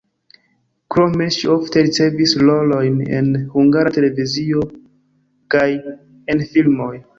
Krome ŝi ofte ricevis rolojn en Hungara Televizio kaj en filmoj.